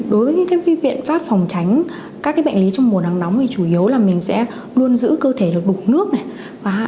đối với các viện phát phòng tránh các bệnh lý trong mùa nắng nóng thì chủ yếu là mình sẽ luôn giữ cơ thể được đủ nước